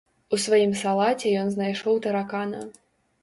У сваім салаце ён знайшоў таракана.